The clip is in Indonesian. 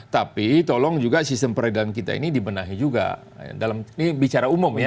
tapi tolong juga sistem peradilan kita ini dibenahi juga dalam ini bicara umum ya